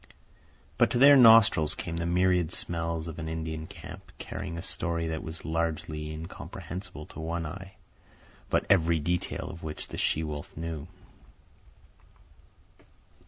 But to their nostrils came the myriad smells of an Indian camp, carrying a story that was largely incomprehensible to One Eye, but every detail of which the she wolf knew.